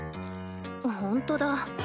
ほんとだ。